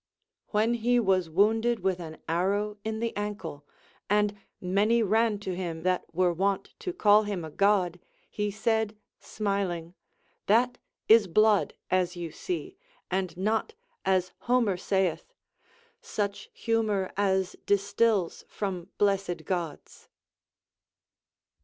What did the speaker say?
ΛVllen he was wounded with an arrow in the ankle, and many ran to him that were wont to call him a God, he said smiling : That is blood, as you see, and not, as Homer saith, — Such liumor as distils from blessed Gods.